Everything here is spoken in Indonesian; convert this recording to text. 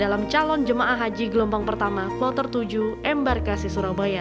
dalam calon jemaah haji gelombang pertama kloter tujuh embarkasi surabaya